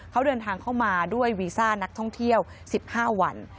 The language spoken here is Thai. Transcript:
เขาเดินทางเข้ามาด้วยวีซ่านักท่องเที่ยว๑๕วัน